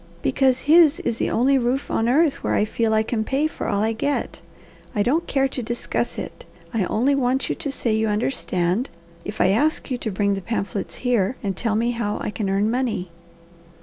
"Because his is the only roof on earth where I feel I can pay for all I get. I don't care to discuss it, I only want you to say you understand, if I ask you to bring the pamphlets here and tell me how I can earn money."